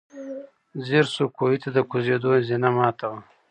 ځير شو، کوهي ته د کوزېدو زينه ماته وه.